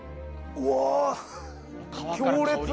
うわ強烈。